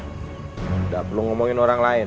tidak perlu ngomongin orang lain